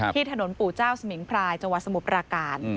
ที่ถนนปู่เจ้าสมิงพรายจังหวัดสมุทรปราการ